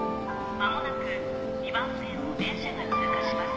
間もなく２番線を電車が通過します。